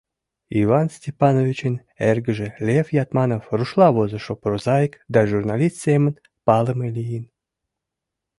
Иван Степановичын эргыже Лев Ятманов рушла возышо прозаик да журналист семын палыме лийын.